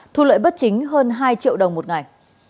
thu lợi bất chính hơn hai triệu đồng một ngày